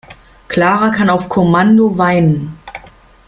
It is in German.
Clara kann auf Kommando weinen.